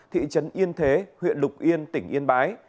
thị trấn yên thế huyện lục yên tỉnh yên bái